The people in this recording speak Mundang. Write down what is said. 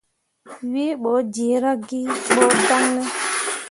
Wǝǝ ɓo jerra ki ɓo dan ne ?